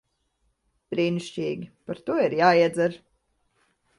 Brīnišķīgi. Par to ir jāiedzer.